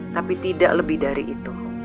tapi tidak lebih dari itu